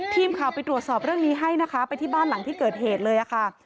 ทีมข่าวไปตรวจสอบเรื่องนี้ให้นะคะไปที่บ้านหลังที่เกิดเหตุเลยค่ะ